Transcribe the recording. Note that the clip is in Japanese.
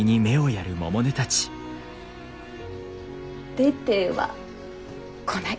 ・出てはこない。